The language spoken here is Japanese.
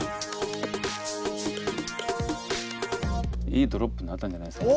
いいドロップになったんじゃないですか。